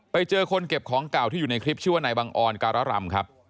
ไปเจอคนเก็บของเก่าที่อยู่ในคลิปชื่อว่านายบังออนการรำครับ